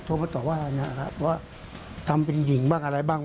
มาต่อว่านะครับว่าทำเป็นหญิงบ้างอะไรบ้าง